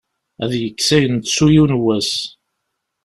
Ad yekkes ayen nettu yiwen n wass.